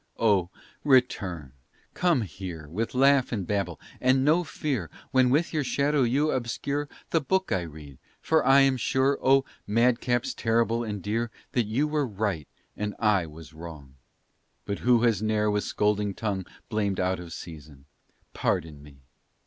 Oh, return come here With laugh and babble and no fear When with your shadow you obscure The book I read, for I am sure, Oh, madcaps terrible and dear, That you were right and I was wrong. But who has ne'er with scolding tongue Blamed out of season. Pardon me!